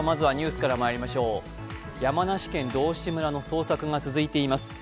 山梨県道志村の捜索が続いています。